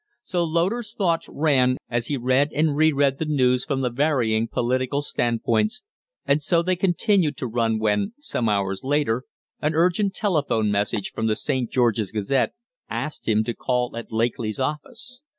So Loder's thoughts ran as he read and reread the news from the varying political stand points, and so they continued to run when, some hours later, an urgent telephone message from the 'St. George's Gazette' asked him to call at Lakely's office.